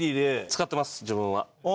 使ってます自分は。